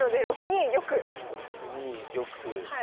６二玉。